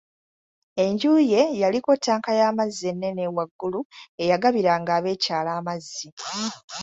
Enju ye yaliko ttanka y'amazzi ennene waggulu eyagabiranga ab'ekyalo amazzi.